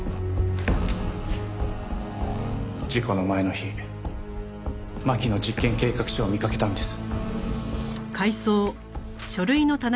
事故の前の日真希の実験計画書を見かけたんです。